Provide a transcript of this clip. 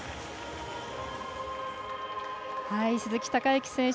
鈴木孝幸選手